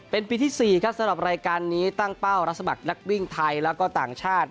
เป็นปีที่๔ครับสำหรับรายการนี้ตั้งเป้ารับสมัครนักวิ่งไทยแล้วก็ต่างชาติ